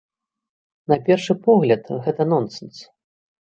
На першы погляд, гэта нонсэнс.